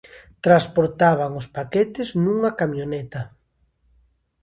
Transportaban os paquetes nunha camioneta.